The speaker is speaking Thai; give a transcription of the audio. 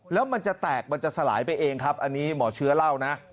แล้วมันจะแตกมันจะสลายไปเองครับอันนี้หมอเชื้อเล่านะ